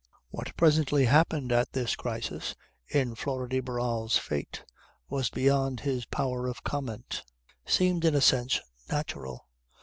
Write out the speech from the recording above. What presently happened at this crisis in Flora de Barral's fate was beyond his power of comment, seemed in a sense natural.